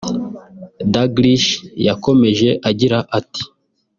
Daglish yakomeje agira ati